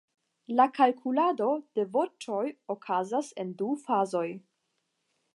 La kalkulado de voĉoj okazas en du fazoj.